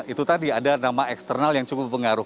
itu tadi ada nama eksternal yang cukup berpengaruh